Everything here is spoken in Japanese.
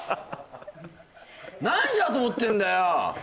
何時だと思ってんだよ！